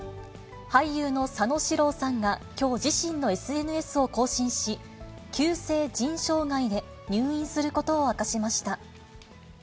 俳優の佐野史郎さんがきょう、自身のＳＮＳを更新し、急性腎障害で入院することを明かしました。